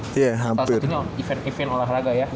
salah satunya event event olahraga ya